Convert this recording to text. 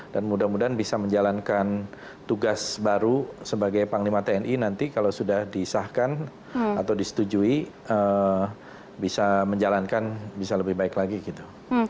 dan mudah mudahan bisa menjalankan tugas baru sebagai panglima tni nanti kalau sudah disahkan atau disetujui bisa menjalankan bisa lebih baik lagi gitu